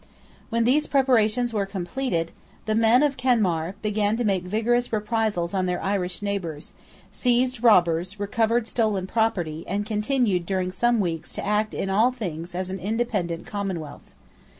When these preparations were completed, the men of Kenmare began to make vigorous reprisals on their Irish neighbours, seized robbers, recovered stolen property, and continued during some weeks to act in all things as an independent commonwealth.